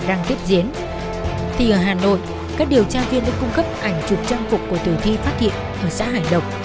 đang tiếp diễn thì ở hà nội các điều tra viên đã cung cấp ảnh chụp trang phục của thủy thuy phát hiện ở xã hải độc